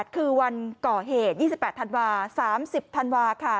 คือวันก่อเหตุ๒๘ธันวา๓๐ธันวาค่ะ